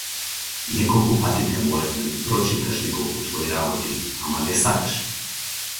Неколку пати те молев да ми прочиташ неколку твои работи, ама не сакаше.